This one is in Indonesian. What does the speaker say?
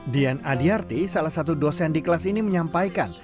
dian adiarti salah satu dosen di kelas ini menyampaikan